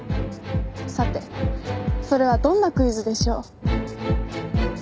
さてそれはどんなクイズでしょう？